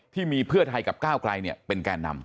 ที่มีเพื่อไทยกับก้าวใครเนี่ยเป็นแก่นำ